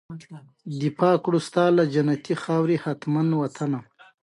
افغانستان د ځمکني شکل له پلوه خپله ځانګړې او پوره ځانګړتیا لري.